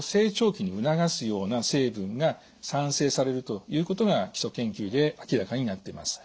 ような成分が産生されるということが基礎研究で明らかになっています。